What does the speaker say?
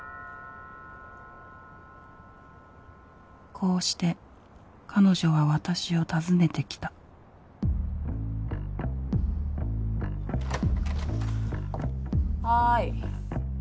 こうして彼女は私を訪ねてきたはい。